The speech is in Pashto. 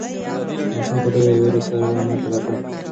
ماشوم په ډېرې وېرې سره انا ته کتل.